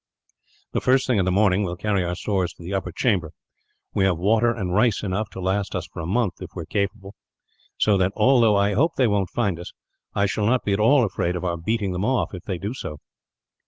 "The first thing in the morning, we will carry our stores to the upper chamber. We have water and rice enough to last us for a month, if we are careful; so that, although I hope they won't find us, I shall not be at all afraid of our beating them off, if they do so."